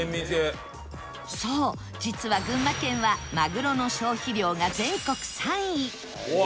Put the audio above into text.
そう実は群馬県はマグロの消費量が全国３位